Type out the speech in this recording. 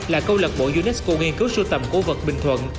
là câu lạc bộ unesco nghiên cứu sưu tầm cổ vật bình thuận